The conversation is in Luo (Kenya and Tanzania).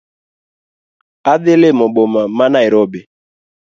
Adhi limo boma mar Nairobi